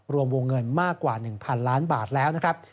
รวมวงเงินมากกว่า๑๐๐๐ล้านบาทแล้วนะครับ